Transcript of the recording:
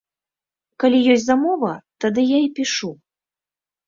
Калі ёсць замова, тады я і пішу.